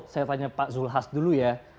saya tanya pak zulhas dulu ya